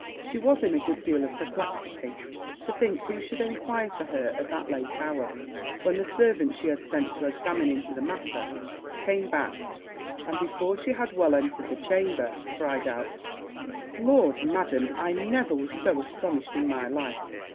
She was in a good deal of perplexity to think who should enquire for her at that late hour; when the servant she had sent to examine into the matter, came back, and, before she had well entered the chamber, cried out, 'Lord, Madam! I never was so astonished in my life!